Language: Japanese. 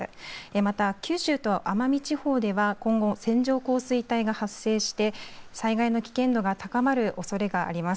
また九州と奄美地方では今後、線状降水帯が発生して災害の危険度が高まるおそれがあります。